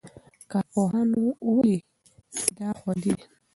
کارپوهانو ویلي چې دا خوندي دی.